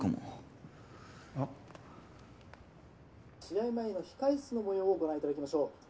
試合前の控室の模様をご覧いただきましょう。